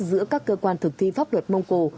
giữa các cơ quan thực thi pháp luật mông cổ